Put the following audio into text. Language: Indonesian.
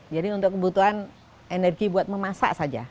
jadi untuk kebutuhan energi buat memasak saja